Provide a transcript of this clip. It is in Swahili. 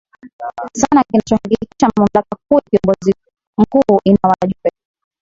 sana kinachohakikisha mamlaka kuu ya kiongozi mkuu Ina wajumbe